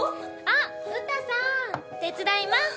あっ詩さん手伝います！